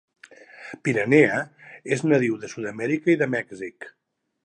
"Piranhea" es nadiu de Sud-Amèrica i de Mèxic.